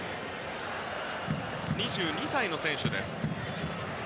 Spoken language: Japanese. ２２歳の選手です。